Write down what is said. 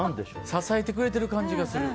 支えてくれる感じがする。